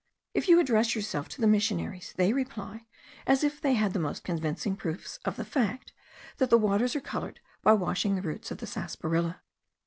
If you address yourself to the missionaries, they reply, as if they had the most convincing proofs of the fact, that the waters are coloured by washing the roots of the sarsaparilla.